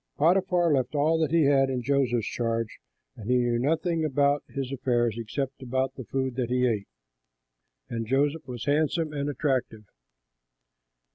Potiphar left all that he had in Joseph's charge, and he knew nothing about his affairs except about the food which he ate. And Joseph was handsome and attractive.